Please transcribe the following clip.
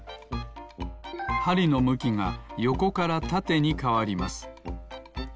はりのむきがよこからたてにかわります。